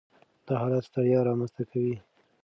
دا حالت ستړیا رامنځ ته کوي.